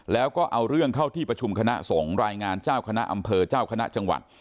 แล้วก็เอาเรื่องเข้าที่ประชุมคณะสงฆ์รายงานเจ้าคณะอำเภอเจ้าคณะจังหวัด